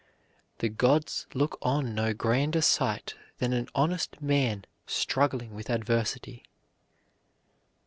"The gods look on no grander sight than an honest man struggling with adversity."